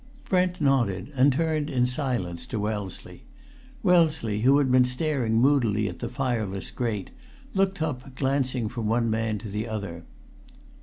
Brent nodded, and turned, in silence, to Wellesley. Wellesley, who had been staring moodily at the fireless grate, looked up, glancing from one man to the other.